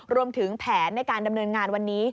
รวมถึงแผนในการดำเนินงานวันนี้